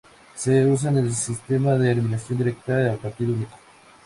Se usa el sistema de eliminación directa a partido único.